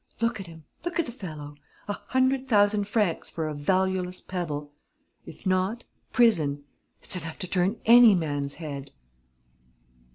Look at him! Look at the fellow! A hundred thousand francs for a valueless pebble ... if not, prison: it's enough to turn any man's head!"